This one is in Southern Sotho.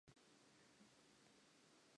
O nahana mongodi o rata dikatse?